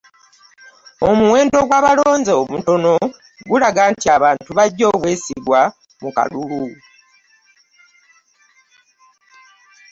Omuwendo gw'abalonzi omutono gulaga nti abantu baggye obwesige mu kalulu